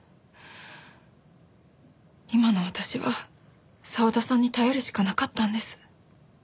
今の私は澤田さんに頼るしかなかったんです。